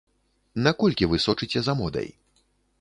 Наколькі вы сочыце за модай?